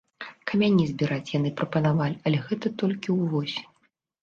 Камяні збіраць яны прапанавалі, але гэта толькі ўвосень.